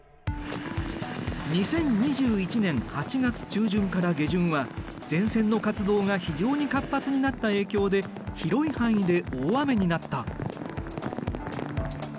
２０２１年８月中旬から下旬は前線の活動が非常に活発になった影響で広い範囲で大雨になった。